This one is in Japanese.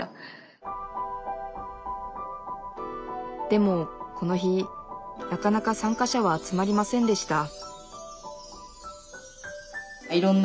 でもこの日なかなか参加者は集まりませんでした